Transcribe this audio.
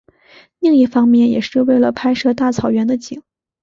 另一方面也是为了拍摄大草原的景。